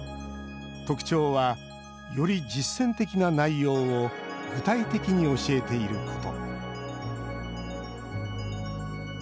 特徴は、より実践的な内容を具体的に教えていること。